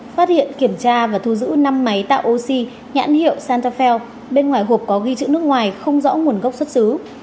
phát hiện kiểm tra và thu giữ năm máy tạo oxy nhãn hiệu santafel bên ngoài hộp có ghi chữ nước ngoài không rõ nguồn gốc xuất xứ